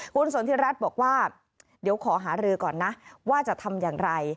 คุณสนทิรัฐบอกว่าเดี๋ยวขอหารือก่อนนะว่าจะทำอย่างไร